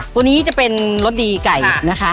ตัวนี้จะเป็นรสดีไก่นะคะ